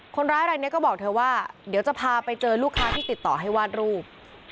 คนร้ายอะไรเนี่ยก็บอกเธอว่าเดี๋ยวจะพาไปเจอลูกค้าที่ติดต่อให้วาดรูป